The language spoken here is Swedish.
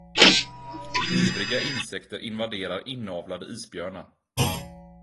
Ivriga insekter invaderar inavlade isbjörnar.